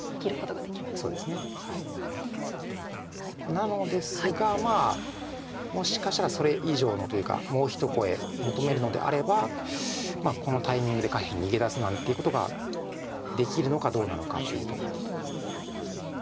なのですがまあもしかしたらそれ以上のというかもう一声求めるのであればこのタイミングで下辺逃げ出すなんていうことができるのかどうなのかというところで。